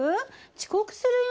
遅刻するよ！